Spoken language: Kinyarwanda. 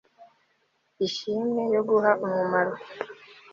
ishimwe yo guha umumaro